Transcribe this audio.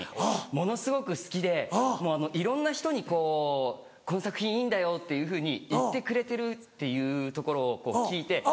ものすごく好きでいろんな人にこう「この作品いいんだよ」っていうふうに言ってくれてるっていうところを聞いて。